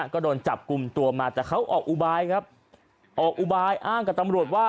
ก็โดนจับกุมตัวมาแต่เขาออกอุบายอ้างกับตำรวจว่า